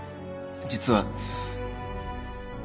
実は